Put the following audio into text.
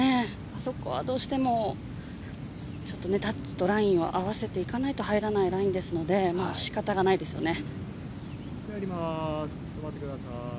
あそこはどうしてもちょっとタッチとラインを合わせないと入らないラインですので仕方がないですよね。